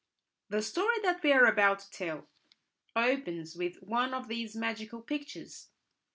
The story that we are about to tell opens with one of these magical pictures.